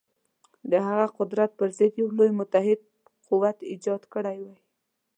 د هغه قدرت پر ضد یو لوی متحد قوت ایجاد کړی وای.